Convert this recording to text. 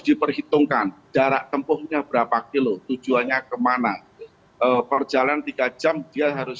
diperhitungkan jarak tempuhnya berapa kilo tujuannya kemana perjalanan tiga jam dia harus